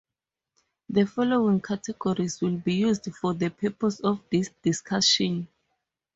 The following categories will be used for the purposes of this discussion.